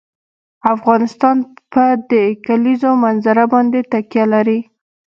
افغانستان په د کلیزو منظره باندې تکیه لري.